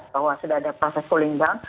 bahwa sudah ada proses cooling down